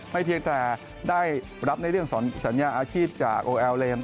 เพียงแต่ได้รับในเรื่องสัญญาอาชีพจากโอแอลเลม